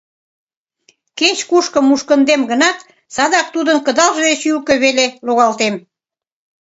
Кеч-кушко мушкындем гынат, садак тудын кыдалже деч ӱлкӧ веле логалтем.